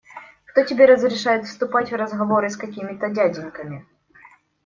Кто тебе разрешает вступать в разговоры с какими-то дяденьками?